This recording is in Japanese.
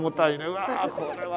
うわこれは。